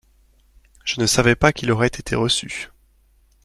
Je ne savais pas qu’il aurait été reçu.